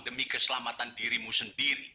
demi keselamatan dirimu sendiri